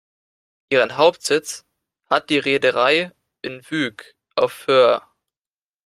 Ihren Hauptsitz hat die Reederei in Wyk auf Föhr.